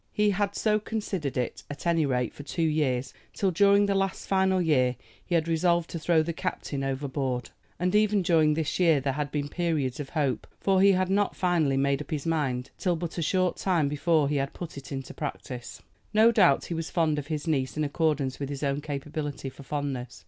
He had so considered it, at any rate, for two years, till during the last final year he had resolved to throw the captain overboard. And even during this year there had been periods of hope, for he had not finally made up his mind till but a short time before he had put it in practice. No doubt he was fond of his niece in accordance with his own capability for fondness.